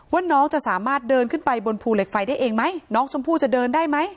ว่าน้องจะสามารถเดินขึ้นไปบนภูเหล็กไฟได้เองไหมน้องชมพู่จะเดินได้ไหม